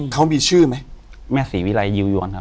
เขามีชื่อไหม